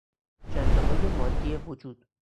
جنبههای مادی وجود